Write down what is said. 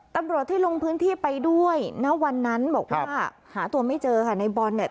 ตำรวจที่ลงพื้นที่ไปด้วยณวันนั้นบอกว่าหาตัวไม่เจอค่ะในบอลเนี่ย